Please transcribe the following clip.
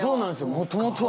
もともとは。